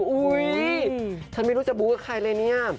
อุ๊ยฉันไม่รู้จะบู๊กับใครเลยเนี่ย